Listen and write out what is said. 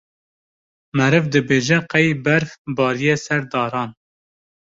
meriv dibêje qey berf bariye ser daran.